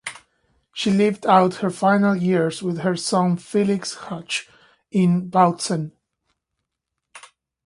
She lived out her final years with her son Felix Huch in Bautzen.